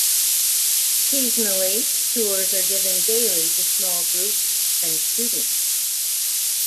Seasonally, tours are given daily to small groups and students.